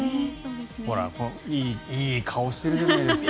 いい顔してるじゃないですか。